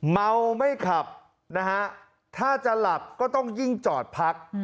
เมาไม่ขับนะฮะถ้าจะหลับก็ต้องยิ่งจอดพัก